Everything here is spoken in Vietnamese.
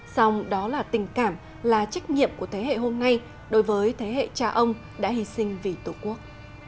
xong đó là tình cảm là trách nhiệm của thế hệ hôm nay đối với thế hệ cha ông đã hy sinh vì tổ quốc